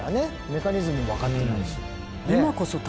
メカニズムもわかってないし。